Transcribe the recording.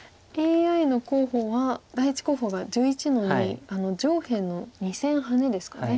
ＡＩの候補は第１候補が１１の二上辺の２線ハネですかね。